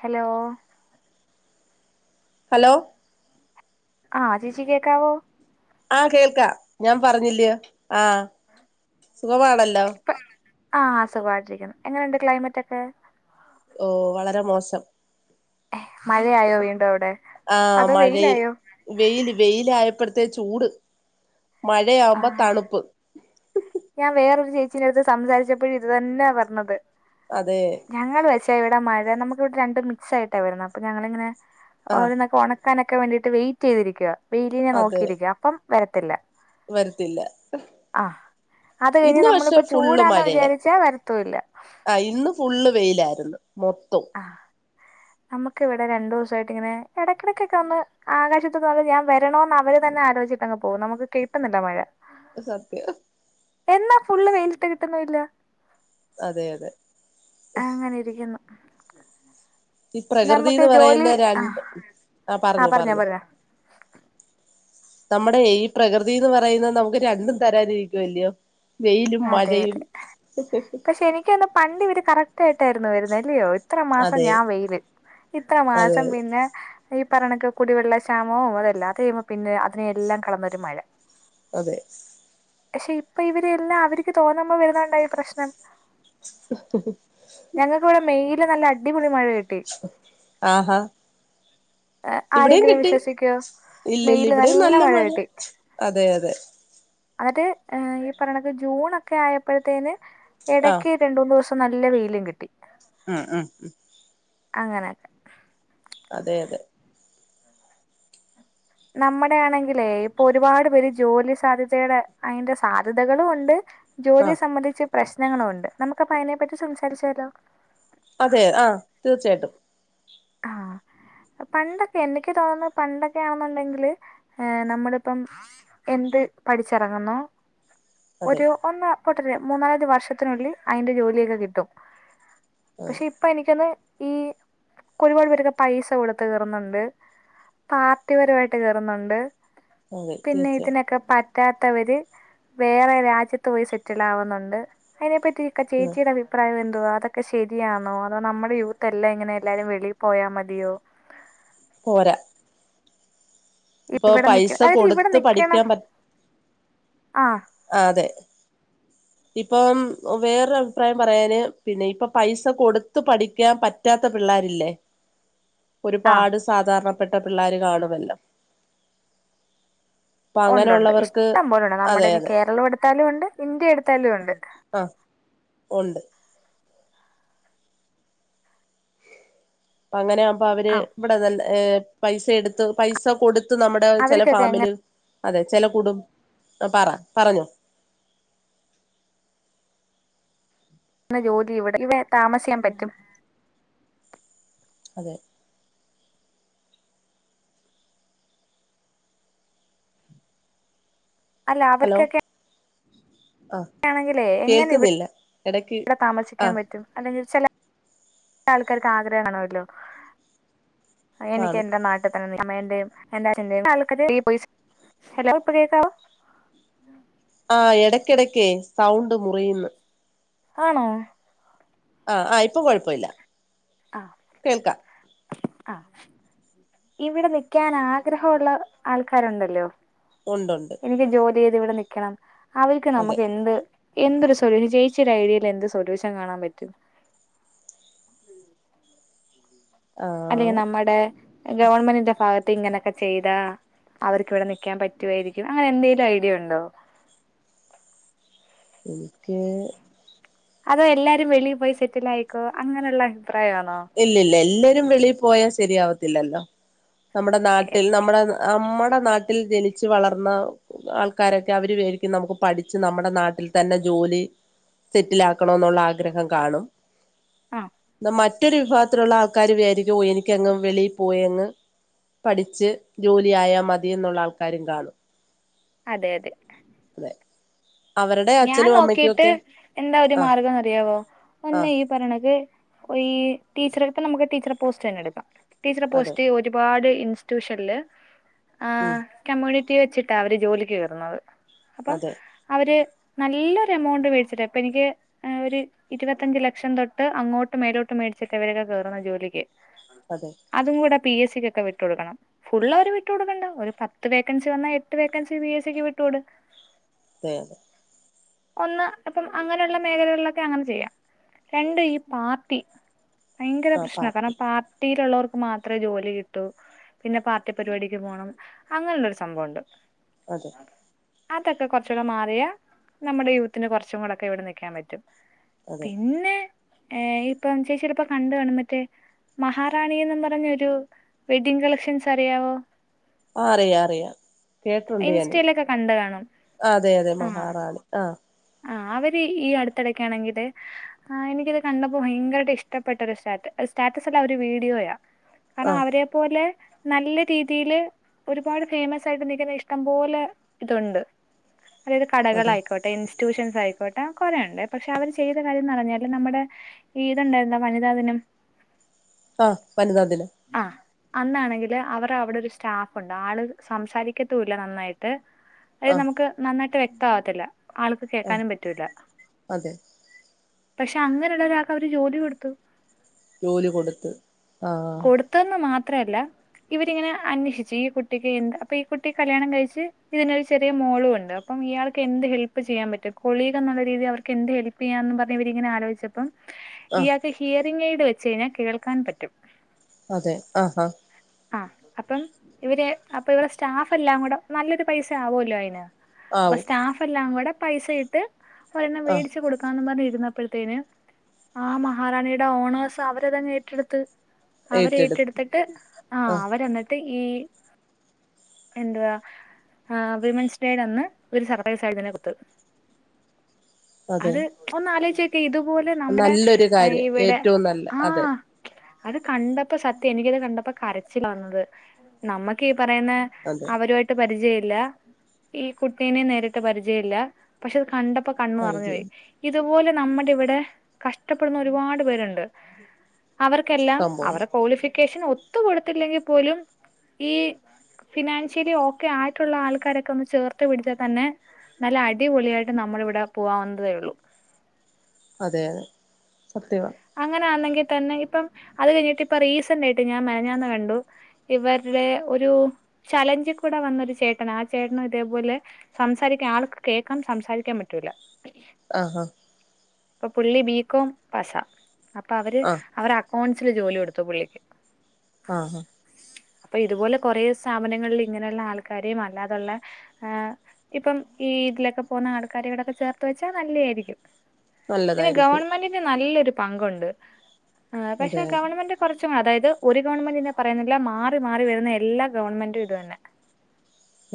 Hello hello ആ ചേച്ചി കേക്കാവോ ആ കേൾക്കാ ഞാൻ പറഞ്ഞില്ല്യോ ആ സുഖമാണല്ലോ ആ സുഖമായിട്ടിരിക്കുന്നു എങ്ങനെയുണ്ട് ക്ലൈമറ്റ് ഒക്കെ ഓ വളരെ മോശം മഴയായോ വീണ്ടും അവ്ടെ ആ അതോ മഴയ വെയിലായോ വെയില് വെയില ആയപ്പോഴത്തെ ചൂട് ആ മഴയാവുമ്പോ തണുപ്പ് ഞാൻ വേറൊരു ചേച്ചീടെടുത്ത് സംസാരിച്ചപ്പഴും ഇത് തന്നെയാ പർഞ്ഞത് അതെ ഞങ്ങള് വെച്ചാ ഇവിടെ മഴ നമുക്ക് വിടെ രണ്ട് മിക്സായിട്ടാ വരുന്ന അപ്പൊ ഞങ്ങളിങ്ങന ആ ഓരോന്നൊക്കെ ഒണ ക്കാനോക്കെ വേണ്ടീട്ട് വെയിറ്റ് ചെയ്തിരിക്ക വെയിലിനെ അത് നോക്കിയിരിക്ക അപ്പം വരത്തില്ല വരത്തില്ല ആ അത് കഴിഞ്ഞ് ഇന്ന് പക്ഷെ നമ്മളിപ്പോ ഫുള്ള് ചൂടാന്ന് മഴയാ വിചാരിച്ചാ വരത്തൂല്ല ആ ഇന്ന് ഫുള്ള് വെയിലായിരുന്നു മൊത്തം ആ നമുക്ക് ഇവടെ രണ്ടൂസായിട്ട് ഇങ്ങനെ എടക്കിടക്കൊക്കെ ഒന്ന് ആകാശത്ത് നോക്കി ഞാൻ വരണോന്ന് അവര് തന്നെ ആലോചി അങ്ങ് പോവും നമുക്ക് [unintelligible] ന്ന്ണ്ട്‌ ആ മഴ സത്യം എന്നാ ഫുള്ള് വെയിലിട്ട് കിട്ടുന്നു ഇല്ല അതെ അതെ അങ്ങനെ ഇരിക്കുന്നു ഈ നമ്മക്ക് പ്രകൃതിന്ന് ജോലി പറയുന്ന രണ്ട് ആ പറഞ്ഞു പറഞ്ഞൊ പറഞ്ഞു പറഞ്ഞൊ നമ്മുടെ ഈ പ്രകൃതീന്ന് പറയുന്ന നമുക്ക് രണ്ടും തരാൻ ഇരിക്കുവല്ല്യൊ വെയിലും മഴയും ഇൻക്ക് തൊന്ന പണ്ട് ഇവര് കറക്റ്റ് ആയിട്ടായിരുന്നു വരുന്ന അല്ലയോ ഇത്ര മാസം അതെ ഞാൻ വെയില് ഇത്ര അതെ മാസം പിന്നെ ഈ പറയണക്കെ കുടിവെള്ള ക്ഷാമവും അതെല്ലാതെം പിന്നെ അതിനെയെല്ലാം കടന്നൊരു മഴ അതെ പക്ഷെ ഇപ്പൊ ഇവര് എല്ലാം അവര്ക്ക് തോന്നുമ്പം വരുന്നൊണ്ട ഈ പ്രശ്നം [unintelligible] ഞങ്ങക്ക് വടെ മെയില് നല്ല അടിപൊളി മഴ കിട്ടി ആഹാ ഇവടെയും ആരെങ്കിലും കിട്ടി വിശ്വസിക്കുവോ ഇല്ലല്ല ഇവടെയും നല്ല മഴ അതെ അതെ അത് ഈ പറയണക്ക് ജൂണോക്കെ ആയപ്പഴത്തേന് എടക്ക് ആഹ് ക്ക് രണ്ട് മൂന്ന് ദിവസം നല്ല വെയിലും കിട്ടി ഉം ഉം അങ്ങനെ അതെ അതെ നമ്മടെ ആണെങ്കിലേ ഇപ്പൊ ഒരുപാട് പേര് ജോലി സാധ്യതയുടെ അയിന്റെ സാധ്യതകളും ഉണ്ട് ജോലിയെ ആഹ് സംബന്ധിച്ച് പ്രശ്നങ്ങളു ഉണ്ട് നമുക്ക് അപ്പൊ അയിനെപ്പറ്റി സംസാരിച്ചാലോ അതെ ആ തീർച്ചയായിട്ടും ആ പണ്ടൊക്കെ എനിക്ക് തോന്നുന്ന പണ്ടൊക്കെ ആ ണ്ടെങ്കില് ഏ നമ്മള്പ്പം എന്ത് പഠിച്ചറങ്ങുന്നൊ അതെ ഒരു ഒന്ന പൊട്ടരെ മൂന്നാലഞ്ജ് വർഷത്തിനുള്ളില് അയിന്റെ ജോലിയൊക്കെ കിട്ടും പക്ഷ അതെ ഇപ്പൊ എനിക്കൊന്ന് ഈ ഒരുപാട് പേരൊക്കെ പൈസ കൊടുത്ത് കേറുന്നുണ്ട് പാ ബുദ്ധിപരമായിട്ട് കേറുന്നുണ്ട് അതെ പിന്നെ തീർച്ചയായിട്ടും ഇതിനൊക്കെ പ പറ്റാത്തവര് വേറെ രാജ്യത്ത് പോയി സെറ്റിൽഡ് ആകുന്നുണ്ട് അതിനെപ്പറ്റിക്കെ ഉം ചേച്ചിയുടെ അഭി അഭിപ്രായം എന്തുവാ അതൊക്കെ ശരിയാണോ അതോ നമ്മടെ യൂത്ത് എല്ലാം ഇങ്ങനെ എല്ലാരും വെളിയി പോയാ മതിയോ പോരാ ഇപ്പൊ ഇവടെ നിക്ക പൈസ അതയത് ഇവടെ കൊടുത്ത് നിക്കണം പഠിക്കാൻ പറ്റ ആഹ് ആഹ് അതെ ഉ ഇപ്പം വേറൊ അഭിപ്രായം പറയാന് പിന്നെ ഇപ്പൊ പൈസ കൊടുത്ത് പഠിക്കാൻ പറ്റ പറ്റാത്ത പിള്ളേരില്ലേ ആ ഒരുപാട് സാധാരണപ്പെട്ട പിള്ളോര് കാണുമല്ലോ അപ്പൊ ഒണ്ട് ഒണ്ട് അങ്ങനെയുള്ളവർക്ക് ഇഷ്ടം പോലൊണ്ട് നമ്മടെ അതെ ഇനി അതെ കേരളം എടുത്താലും ഒണ്ട് ഇന്ത്യ എടുത്താലും ഒണ്ട് ആഹ് ഒണ്ട് അങ്ങനെ ആകുമ്പ അവര് ആ ഇവടെ അതല്ല പൈസ എടുത്ത് പൈസ കൊട് ത്ത് നമ്മടെ ചെല അവർക്കൊക്കെ എങ്ങനെ ഫാമിലി അതെ ചെല കുടും ആഹ് പറ പറഞ്ഞോ ജോലി ഇവടെ ഇവ താമസിയാൻ പറ്റും അതെ അല്ല ഹലോ അവർക്കെക്കെ ആ ആണെങ്കിലെ എങ്ങനെ കേൾക്കുന്നില്ല ഇടക്ക് ഇവിടെ ആ താമസിക്കാൻ പറ്റും അല്ലെങ്കി ചെല ആൾക്കാർക്ക് ആഗ്രഹം കാണുവല്ലോ എനിക്ക് കാണും എന്റെ നാട്ട് അമ്മാന്റെയും എന്റെ അച്ഛന്റെയും ഹലോ കേൾക്കാവോ ആഹ് എടയ്ക്ക എടക്കേ സൗണ്ട് മുറിയുന്ന് ആണോ ആഹ് ആഹ് ഇപ്പൊ കെഴപ്പയില്ല ആഹ് ആഹ് ഇവിടെ നിക്കാൻ ആഗ്രഹവൊള്ള ആൾക്കാര് ഒണ്ടല്ലോ ഒണ്ടൊണ്ട് ജോലി ചെയ്ത് ഇവിടെ നിക്കണം അവർക്ക് അതെ നമക്ക് എന്ത് എന്തൊരു സൊല്യൂൻ ചേച്ചിയുടെ ഐഡിയയിൽ എന്ത് സൊല്യൂഷൻ കാണാൻ പറ്റും ആ അല്ലെങ്കിൽ നമ്മടെ ഗവൺമെന്റിന്റെ ഭാഗത്ത് ഇങ്ങനെക്കെ ചെയ്താ അവർക്ക് ഇവിടെ നിക്കാൻ പറ്റുവായിരിക്കും അങ്ങനെ എന്തെലും ഐഡിയ ഒണ്ടോ എനിക്ക് അതോ എല്ലാരും വെളിയി പോയി സെറ്റിൽ ആയിക്കോ അങ്ങനെയൊള്ള അഭിപ്രായം ആണോ ഇല്ല ഇല്ല എല്ലാവരും വെളിയി പോയാൽ ശരിയാവത്തില്ലല്ലോ നമ്മടെ ഓക്കെ നാട്ടിൽ നമ്മടെ നമ്മടെ നാട്ടിൽ ജനിച്ചു വളർന്ന ആൾക്കാരെക്കെ അവര് വിചാരിക്കും നമുക്ക് പഠിച്ച് നമ്മടെ നാട്ടിൽ തന്നെ ജോലി സെറ്റിലാക്കണയെന്നുള്ള ആഗ്രഹം കാണും ആ എന്ന മ മറ്റൊരു വിഭാഗത്തിലുള്ള ആൾക്കാർ വിചാരിക്കും ഓഹ് എനിക്കങ്ങ് വെളിയിൽ പോയ അങ്ങ് പഠിച്ച് ജോലി ആയാ മതിയെന്നുള്ള ആൾക്കാരും കാണും അതെ അതെ അതെ അവരുടെ ഞാൻ അച്ഛനും അമ്മയ്ക്കും നോക്കിട്ട് ഒക്കെ എന്താ ഒരു ആ മാർഗം എന്ന് അറിയാമവോ ആ ഒന്നിയി പറയണക്ക് ഈ ടീച്ചറടെ ഇപ്പെ നമുക്ക് ടീച്ചറടെ പോസ്റ്റ് തന്നെ എടുക്കാം ടീച്ചർ അതെ പോസ്റ്റ് ഒരു വാടി ഇൻസ്റ്റിറ്റ്യൂഷനില് ഉം ആഹ് കമ്മ്യൂണിറ്റി വെച്ചിട്ടാ അവര് ജോലിക്ക് കേറുന്നത് അപ്പം അതെ അവര് നല്ലൊ ഒരു എമൗണ്ട് മേടിച്ചിട്ട് അപ്പൊ എനിക്ക് ആഹ് ഒരു ഇരുപത്തഞ്ച് ലക്ഷം തൊട്ട് അങ്ങോട്ട് മേലോട്ട് മേടിച്ചിട്ട് ഇവരൊക്കെ കേറുന്നേ ജോലിക്ക് അതെ അതും കൂടെ പിഎസ് സിക്കക്കെ വിട്ട് കൊടുക്കണം ഫുള്ള് അവര് വിട്ടു കൊടുക്കണ്ട ഒരു പത്ത് വേക്കൻസി വന്നാ എട്ട് വേക്കൻസി ബി എസ് സിക്ക് വിട്ട് കൊട് ആഹ് ഒന്ന് ഇപ്പം അങ്ങനെള്ള മേഖലകളിലൊക്കെ അങ്ങനെ ചെയ്യാം രണ്ട് ഈ പാർട്ടി ഭയങ്കര ആ പ്രശ്ന പാർട്ടി കാരണം പാർട്ടിയിലുള്ളവർക്ക് മാത്രമേ ജോലി കിട്ടൂ പിന്നെ പാർട്ടി പരിപാടിക്ക് പോണം അങ്ങനെള്ളൊരു സംഭവമുണ്ട് അതെ അതൊക്കെ കുറച്ചൂടെ മാറിയാ നമ്മുടെ യൂത്തിന് കുറച്ചും കൂടൊക്കെ ഇവിടെ നിക്കാൻ പറ്റും അതെ പിന്നെ ഏഹ് ഇപ്പം ചേച്ചി ചെലപ്പം കണ്ട് കാണും മറ്റേ മഹാറാണി എന്നും പറഞ്ഞൊരു വെഡ്ഡിങ്ങ് കളക്ഷൻസ് അറിയാവോ ആഹ് അറിയാം അറിയാം കേട്ടിട്ടുണ്ട് ഞാന് ഇൻസ്റ്റയിലൊക്കെ കണ്ട് കാണും അതെ അതെ ആഹ് മഹാറാണി ആഹ് ആഹ് അവര് ഈ അടുത്തിടക്കാണെങ്കില് ആഹ് എനിക്കിത് കണ്ടപ്പോ ഭയങ്കരായിട്ട് ഇഷ്ടപ്പെട്ട ഒരു സ്റ്റാ സ്റ്റാറ്റസ് അല്ല ഒരു വീഡിയോയാ കാരണം ആഹ് അവരെ പോലെ നല്ല രീതിയില് ഒരുപാട് ഫേമസ് ആയിട്ട് നിക്കുന്ന ഇഷ്ടംപോലെ ഇതുണ്ട് അതായത് കടകൾ അതെ ആയിക്കോട്ടെ ഇ ട്യൂഷൻസ് ആയിക്കോട്ടെ കൊറേയുണ്ട് പക്ഷെ അവര് ചെയ്ത കാര്യംന്ന് പറഞ്ഞാല് നമ്മടെ ഈതുണ്ടായിരുന്നോ വനിതാ ദിനം ആഹ് വനിതാ ദിനം ആഹ് അന്നാണെങ്കില് അവർ അവിടെ ഒരു സ്റ്റാഫുണ്ട് ആള് സംസാരിക്കത്തൂല്ല നന്നായിട്ട് അത് ആഹ് നമുക്ക് നന്നായിട്ട് വ്യക്തം ആവത്തില്ല ആൾക്ക് ആഹ് കേക്കാനും പറ്റൂല്ല അതെ പക്ഷെ അങ്ങനെയുള്ളൊരാൾക്ക് അവര് ജോലി കൊടുത്തു ജോലി കൊടുത്ത് ആഹ് കൊടുത്തെന്ന് മാത്രല്ല ഇവരിങ്ങനെ അന്വേഷിച്ച് ഈ കുട്ടിക്ക് എന്ത്‌ അപ്പൊ ഈ കുട്ടി കല്യാണം കഴിച്ച് ഇതിനൊരു ചെറിയ മോളും ഉണ്ട് അപ്പം ഇയാൾക്ക് എന്ത് ഹെൽപ് ചെയ്യാൻ പറ്റും കോളീഗ് എന്നുള്ള രീതി അവർക്ക് എന്ത് ഹെൽപ് ചെയ്യാന്നും പറഞ്ഞ് ഇവരിങ്ങനെ ആലോചിച്ചപ്പം ആഹ് ഇയാൾക്ക് ഹിയറിംഗ് എയ്ഡ് വെച്ച് കഴിഞ്ഞാൽ കേൾക്കാൻ പറ്റും അതെ ആഹ് ഹാ ആഹ് അപ്പം ഇവര് അപ്പൊ ഇവരുടെ സ്റ്റാഫ് എല്ലാം കൂടെ നല്ലൊരു പൈസ ആവുമല്ലോ അയിന് അപ്പൊ ആവും സ്റ്റാഫ് എല്ലാം കൂടെ പൈസ ഇട്ട് ഒരെണ്ണം ആഹ് മേടിച്ച് കൊടു ക്കാന്ന് പറഞ്ഞ് ഇരുന്നപ്പഴത്തേന് ആ മഹാറാണിയുടെ ഓണേർസ് അവരതങ്ങ് ഏറ്റെടുത്ത് അവര് ഏറ്റെടുത്ത് ഏറ്റെടുത്തിട്ട് ആഹ് അവര് എന്നിട്ട് ഈ എന്തുവാ ആഹ് വിമൻസ് ഡേടെ അന്ന് ഒരു സർപ്രൈസ് ആയിട്ട് തന്നെ കൊടുത്ത് അതെ അത് ഒന്നാലോചിച്ചേ ഇതുപോലെ നമ്മുടെ നല്ലൊരു കാര്യം ഇവിടെ ഏറ്റവും നല്ല അതെ ആഹ് അത് കണ്ടപ്പം സത്യം എനിക്കത് കണ്ടപ്പം കരച്ചിലാ വന്നത് നമ്മക്ക് ഈ പറയുന്ന അതെ അവരുമായിട്ട് പരിചയമില്ല ഈ കുട്ടീനെയും നേരിട്ട് പരിചയമില്ല പക്ഷെ അത് കണ്ടപ്പോ കണ്ണ് നിറഞ്ഞു പോയി പരിചയം ഇതുപോലെ നമ്മുടെ ഇവിടെ കഷ്ടപ്പെടുന്ന ഒരുപാട് പേരുണ്ട് അവർക്കെല്ലാം സംഭവം അവരെ ക്വാളിഫിക്കേഷൻ ഒത്തു കൊടുത്തില്ലെങ്കിൽ പോലും ഈ ഫിനാൻഷ്യലി ഓക്കെ ആയിട്ടുള്ള ആൾക്കാരൊക്കെ ഒന്ന് ചേർത്ത് പിടിച്ചാൽ തന്നെ നല്ല അടിപൊളിയായിട്ട് നമ്മളിവിടെ പോകാവുന്നതേ ഉള്ളൂ അതെ അതെ സത്യമാ അങ്ങനെയാണെങ്കിൽ തന്നെ ഇപ്പം അത് കഴിഞ്ഞിട്ട് ഇപ്പൊ റീസന്റ് ആയിട്ട് ഞാൻ മെനഞ്ഞാന്ന് കണ്ടു ഇവരുടെ ഒരു ചലഞ്ചിൽ കൂടെ വന്നൊരു ചേട്ടനാ ആ ചേട്ടനും ഇതേപോലെ സംസാരിക്കാൻ ആൾക്ക് കേൾക്കാം സംസാരിക്കാൻ പറ്റൂല ആഹാ അപ്പം പുള്ളി ബികോം പാസാ അപ്പൊ അവര് ആഹ് അവർ അക്കൗണ്ട്സില് ജോലി കൊടുത്തു പുള്ളിക്ക് ആഹ് ഹാ അപ്പൊ ഇതുപോലെ കൊറേ സ്ഥാപനങ്ങളിൽ ഇങ്ങനെയുള്ള ആൾക്കാരെയും അല്ലാതുള്ള ആഹ് ഇപ്പം ഈതിലൊക്കെ പോന്ന ആൾക്കാരെടൊക്കെ ചേർത്തുവെച്ചാൽ നല്ലയാരിക്കും പിന്നെ നല്ലതായിരിക്കും ഗവൺമെന്റിൻ്റ് നല്ലൊരു പങ്കുണ്ട് ആഹ് അതെ പക്ഷെ ഗവൺമെന്റ് കുറച്ചും അതായത് ഒരു ഗവൺമെന്റിനെ പറയുന്നില്ല മാറി മാറി വരുന്ന എല്ലാ ഗവൺമെന്റും ഇതു തന്നെ [inaudible]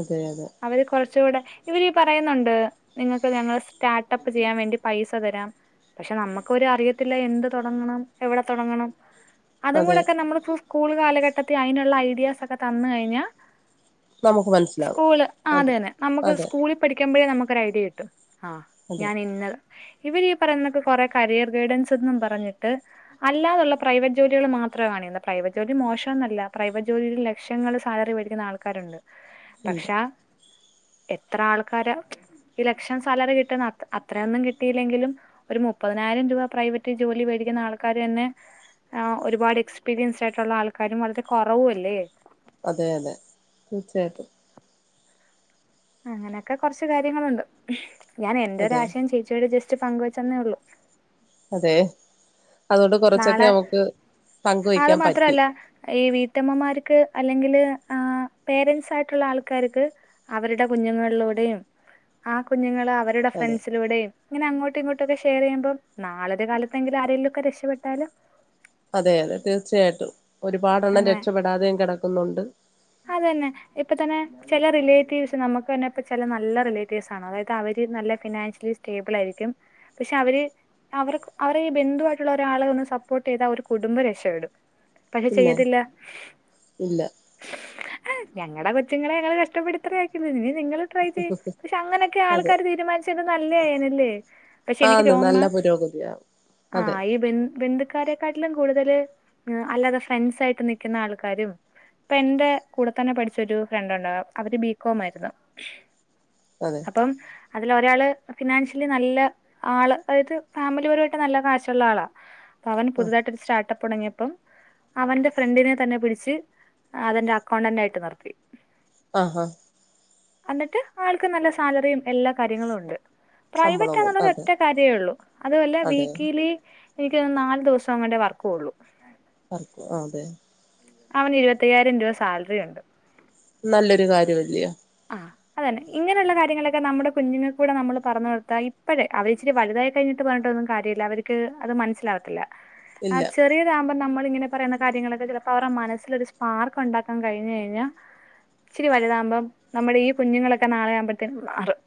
അതെ അതെ അവര് കൊറച്ചൂടെ ഇവരീ പറയുന്നുണ്ട്. നിങ്ങൾക്ക് ഞങ്ങൾ സ്റ്റാർട്ടപ്പ് ചെയ്യാൻ വേണ്ടി പൈസ തരാം പക്ഷെ നമ്മുക്കൊരു അറിയി ത്തിലെ എന്ത് തുടങ്ങണം എവിടെ തുടങ്ങണം അതും അതെ കൂടൊക്കെ നമ്മള് ഫൂഫ് കൂളു കാലഘട്ടത്തിൽ അതിനുള്ള ഐഡിയാസൊക്കെ തന്ന് കഴിഞ്ഞാ നമുക്ക് മനസ്സിലാവും സ്കൂള് ആഹ് അതെ അതന്നെ നമ്മക്ക് അതെ സ്കൂളി പഠിക്കുമ്പോഴേ നമ്മുക്കൊരു ഐഡിയ കിട്ടും ആഹ് അതെ ഞാനിന്ന ഇവരീ പറയുന്നൊക്കെ കൊറേ കരിയർ ഗൈഡൻസ് എന്നും പറഞ്ഞിട്ട് അല്ലാതുള്ള പ്രൈവറ്റ് ജോലികള് മാത്രാണെന്ത് പ്രൈവറ്റ് ജോലി മോശോന്നല്ല പ്രൈവറ്റ് ജോലി ലക്ഷങ്ങള് സാലറി വേടിക്കുന്ന ആൾക്കാരുണ്ട് ഉണ്ട് പക്ഷാ എത്ര ആൾക്കാര ഈ ലക്ഷം സാലറി കിട്ടുന്ന അത്ത് അത്രയൊന്നും കിട്ടിയില്ലെങ്കിലും ഒരു മുപ്പതിനായിരം രൂപ പ്രൈവറ്റ് ക്കി ജോലി വേടിക്കുന്ന ആൾക്കാര് തന്നെ ആഹ് ഒരുപാട് എക്സ്പീരിയൻസ് ആയിട്ടുള്ള ആൾക്കാരും വളരെ കുറവുവല്ലേ? അതെ അതെ തീർച്ചയായിട്ടും അങ്ങനെയൊക്കെ കൊറച്ച് കാര്യങ്ങളുണ്ട് ഞാൻ അതെ എൻ്റൊരാശയം ചേച്ചിയോട് ജസ്റ്റ് പങ്കുവച്ചെന്നേ ഉള്ളു അതെ അതുകൊണ്ട് കുറച്ചൊക്കെ നാളെ നമുക്ക് അത് പങ്കുവയ്ക്കാൻ പറ്റി. മാത്രമല്ല ഈ വീട്ടമ്മമാരുക്ക് അല്ലെങ്കില് ആഹ് പേരന്റ്സായിട്ടുള്ള ആൾക്കാരുക്ക് അവരുടെ കുഞ്ഞുങ്ങളൂടെയും ആഹ് കുഞ്ഞുങ്ങള അവ രുട അതെ ഫ്രണ്ട്സിലൂടെയും ഇങ്ങനെ അങ്ങോട്ടു ഇങ്ങോട്ടൊക്കെ ഷെയറ് ചെയ്യുമ്പോ നാളൊരു കാലത്തെിങ്കിലും ആരേലുവൊക്കെ രക്ഷപ്പെടു [inaudible] അതെ അതെ തീർച്ചയായിട്ടും ഒരുപാടണ്ണം അങ്ങനെ രക്ഷപ്പെടാതെയും കിടക്കുന്നുണ്ട്. അതന്നെ ഇപ്പ തന്നെ ചില റിലേറ്റീവ്സ് നമ്മുക്കന്നെ ഇപ്പൊ ചില നല്ല റിലേറ്റീവ്സ് ആണ് അതായത് അവര് നല്ല ഫിനാൻഷ്യലി സ്റ്റേബിളാരിക്കും. പക്ഷെ അവര് അവരുക്കും അവരെ ഈ ബന്ധുവായിട്ടുള്ളരാള് വന്ന് സപ്പോർട്ട് ചെയ്ത ഒരു കുടുംബം രക്ഷപ്പെടും. പക്ഷെ പിന്നെ ചെയ്യത്തില്ല. ഇല്ല ഞങ്ങടെ കൊച്ചുങ്ങളെ ഞങ്ങള് കഷ്ടപ്പെടുത്തത് അയക്കുന്ന് ഇനി നിങ്ങള് ട്രൈ ചെയ് പക്ഷെ അങ്ങനൊക്കെ അതെ ആൾക്കാര് തീരുമാനിച്ചെന്ത് നല്ലയാരുന്നല്ലേ? പക്ഷെ എനിക്ക് ആന്ന് രോന്നുന്ന നല്ല പുരോഗതിയാവും അതെ ആഹ് ഈ ബന്ദ് ബന്ധു ക്കരെക്കാട്ടിലും കൂടുതല് അല്ലാതെ ഫ്രണ്ട്സായിട്ട് നിക്കുന്ന ആൾക്കാരും ഇപ്പ എന്റെ കൂടെ തന്നെ പഠിച്ചൊരു ഫ്രണ്ട് ഉണ്ടാ അവര് ബികോമാരുന്നു. അതെ അപ്പം അതിലൊരാള് ഫിനാൻഷ്യലി നല്ല ആള് അതായത് ഫാമിലിപരമായിട്ട് നല്ല കാശുള്ളാളാ പവൻ ആഹ് പുതുതായിട്ടൊരു സ്റ്റാർട്ടപ്പ് തുടങ്ങിയപ്പം അവന്റെ ഫ്രണ്ടിനെ തന്നെ പിടിച്ച് അതെന്റെ അക്കൗണ്ടന്റായിട്ട് നിർത്തി. ആഹാ എന്നിട്ട് ആൾക്ക് നല്ല സാലറിയും എല്ലാ കാര്യങ്ങളും ഉണ്ട്. ശമ്പളവും പ്രൈവറ്റാന്നൊള്ളൊരു അതെ ഒറ്റ കാര്യേ ഒള്ളു അതുവല്ല അതെ വീക്കിലി എയ്ക്ക് നാൽ ദിവസംങ്ങാണ്ടെ വർക്കോള്ളു. പർക്കും ആഹ് അതെ അവന് ഇരുപത്തയ്യായിരം രൂപ സാലറി ഉണ്ട്. നല്ലൊരു കാരോല്ല്യ ആഹ് അതന്നെ ഇങ്ങനെയുള്ള കാര്യങ്ങളൊക്കെ നമ്മുടെ കുഞ്ഞുങ്ങൾ കൂടെ നമ്മള് പറന്ന് കൊടുത്താ ഇപ്പഴേ അവരിച്ചിരി വലുതായി കഴിഞ്ഞിട്ട് പറഞ്ഞിട്ടൊന്നും കാര്യമില്ല അവർക്ക് അത് മനസിലാവത്തില്ല. ഇല്ല ഇതാകുമ്പോൾ നമ്മൾ ഇങ്ങനെ പറയുന്ന കാര്യങ്ങളൊക്കെ ചിലപ്പോ അവടെ മനസ്സിൽ ഒരു സ്പാർക്ക് ഉണ്ടാക്കാൻ കഴിഞ്ഞ് കഴിഞ്ഞാൽ ഇച്ചിരി വലുതാകുമ്പോൾ നമ്മുടെ ഈ കുഞ്ഞുങ്ങളൊക്കെ നാളെയാവുമ്പോഴത്തേക്കും മാറും.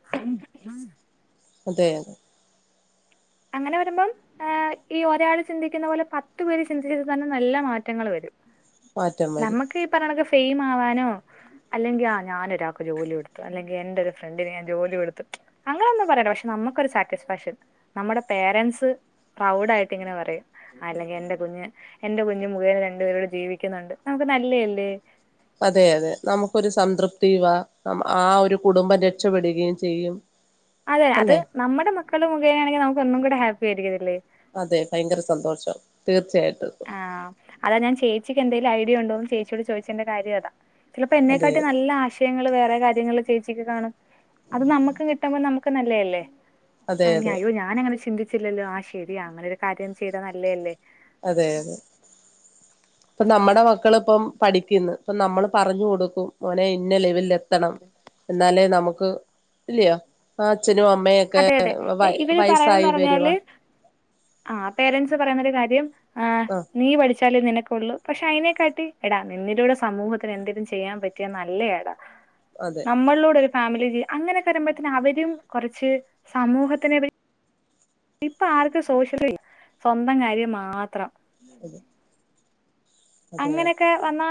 അതെയോ അങ്ങനെ വരുമ്പോ ആഹ് ഈ ഒരാൾ ചിന്തിക്കുന്ന പോലെ പത്തു പേര് ചിന്തിച്ചത് തന്നെ നല്ല മാറ്റങ്ങൾ വരും. മാറ്റം വരും നമുക്ക് ഈ പറയണത് ഫെയിം ആവാനോ അല്ലെങ്കിൽ ആഹ് ഞാനൊരാൾക്ക് ജോലി കൊടുത്തു അല്ലെങ്കിൽ എന്റെ ഒരു ഫ്രണ്ടിന് ഞാൻ ജോലി കൊടുത്ത് അങ്ങനൊന്നും പറയില്ല പക്ഷെ നമ്മുക്കൊരു സാറ്റിസ്ഫാക്ഷൻ നമ്മുടെ പേരൻസ് പ്രൗഡ് ആയിട്ട് ഇങ്ങനെ പറയും അല്ലെങ്കിൽ എൻ്റെ കുഞ്ഞ് എന്റെ കുഞ്ഞ് മുകേനെ രണ്ടുപേരോടെ ജീവിക്കുന്നുണ്ട് നമുക്ക് നല്ല അല്ലേ അതെ അതെ നമുക്കൊരു സംതൃപ്തിയുവ ആ ഒരു കുടുംബം രക്ഷപ്പെടുകയും ചെയ്യും. അതെ അത് അല്ലെ നമ്മുടെ മക്കൾ മുഖേനാണെങ്കിൽ നമുക്ക് ഒന്നും കൂടെ ഹാപ്പി ആയിരിക്കുന്നല്ലേ അതെ ഭയങ്കര സന്തോഷം തീർച്ചയായിട്ടും ആഹ് അതാ ഞാൻ ചേച്ചിക്ക് എന്തേലും ഐഡിയുണ്ടോ ചേച്ചിയോട് ചോയ്ച്ചതിന്റെ കാര്യം അതാ ചിലപ്പോ അതെ എന്നെക്കാട്ടി നല്ല ആശയങ്ങളൾ വേറെ കാര്യങ്ങൾ ചേച്ചിക്ക് കാണും അത് നമ്മുക്ക് കിട്ടുമ്പോൾ നമുക്ക് നല്ലയല്ലേ അതെ ആ അതെ അതെ അയ്യോ ഞാനങ്ങനെ ചിന്തി- ഇല്ലല്ലോ ആഹ് ശരിയാ അങ്ങനൊരു കാര്യം ചെയ്താ നല്ലേ അല്ലേ അതെ അതെ ഇപ്പ നമ്മടെ മക്കൾ ഇപ്പം പഠിക്കുന്നു ഇപ്പം നമ്മൾ പറഞ്ഞു കൊടുക്കും മോനെ ഇന്ന ലെവലിൽ ഇരുത്തണം എന്നാലേ നമുക്ക് ഇല്ലയോ ആ അച്ഛനും അമ്മയും അതെ അതെ ഇവർ പറയാനെന്ന് പറഞ്ഞാൽ ആഹ് പേരൻസ് പറയുന്നൊരു കാര്യം ആഹ് ആ നീ പഠിച്ചാലേ നിനക്കൊള്ളു പക്ഷെ അതിനെക്കാട്ടി എടാ നിന്നിലൂടെ സമൂഹത്തിന് എന്തെങ്കലും ചെയ്യാൻ പറ്റിയാൽ നല്ല ആടാ അതെ നമ്മളിലൂടെ ഒരു ഫാമിലി വരും അങ്ങനൊക്കെ വരുമ്പോഴത്തെ അവരും കുറച്ച് സമൂഹത്തിനെ ഇപ്പ ആർക്ക് സോഷ്യൽ സ്വന്തം കാര്യം മാത്രം [inaudible] അതെ അതെ അങ്ങനെക്കെ വന്നാൽ